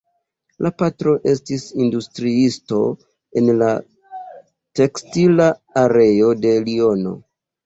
La patro estis industriisto en la tekstila areo de Liono.